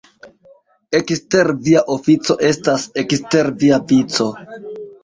Ekster via ofico estas ekster via vico.